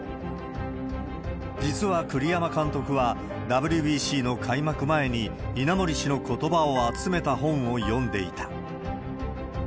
実は栗山監督は、ＷＢＣの開幕前に稲盛氏のことばを集めた本を読んでいた。